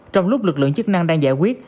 trong lúc lực lượng chức năng đang giải quyết